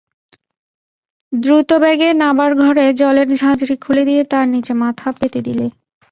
দ্রুতবেগে নাবার ঘরে জলের ঝাঁঝরি খুলে দিয়ে তার নীচে মাথা পেতে দিলে।